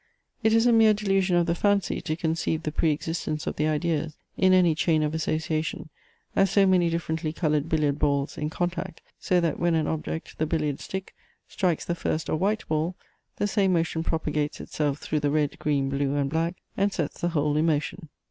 It is a mere delusion of the fancy to conceive the pre existence of the ideas, in any chain of association, as so many differently coloured billiard balls in contact, so that when an object, the billiard stick, strikes the first or white ball, the same motion propagates itself through the red, green, blue and black, and sets the whole in motion.